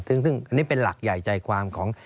ซึ่งอันนี้เป็นหลักใหญ่ใจความของ